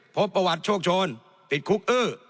พบประวัติโชคโชนติดคุกอื้อ